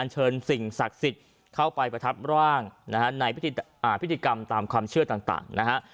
เชิญสิ่งศักดิ์สิทธิ์เข้าไปประทับร่างนะฮะในพิธีกรรมตามความเชื่อต่างนะฮะ